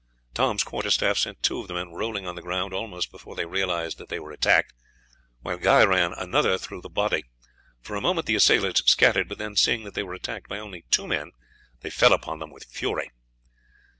Tom's quarter staff sent two of the men rolling on the ground almost before they realized that they were attacked, while Guy ran another through the body. For a moment the assailants scattered, but then, seeing that they were attacked by only two men, they fell upon them with fury.